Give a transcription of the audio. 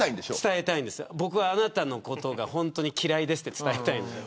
僕はあなたのことが嫌いですって伝えたいんです。